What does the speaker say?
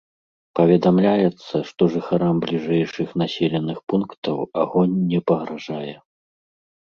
Паведамляецца, што жыхарам бліжэйшых населеных пунктаў агонь не пагражае.